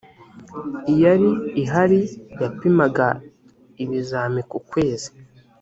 iyari ihari yapimaga ibizami ku kwezi